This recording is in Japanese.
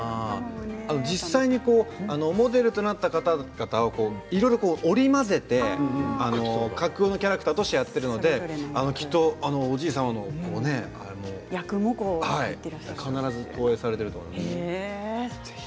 実際にモデルとなった方々をいろいろ織り交ぜて架空のキャラクターとしてやっているので、きっとおじい様も役に投影されてると思いますよ。